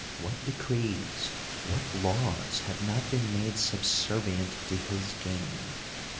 What decrees, what laws have not been made subservient to his gain